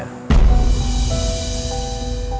dan saya ingin bertanya sesuatu ke dia